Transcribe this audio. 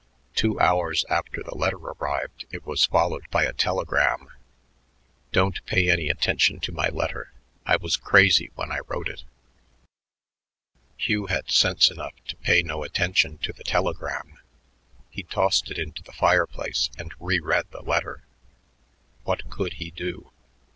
Two hours after the letter arrived it was followed by a telegram: Don't pay any attention to my letter. I was crazy when I wrote it. Hugh had sense enough to pay no attention to the telegram; he tossed it into the fireplace and reread the letter. What could he do?